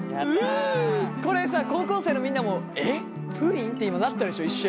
これさ高校生のみんなもえプリン？って今なったでしょ一瞬。